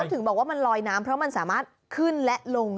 ถึงบอกว่ามันลอยน้ำเพราะมันสามารถขึ้นและลง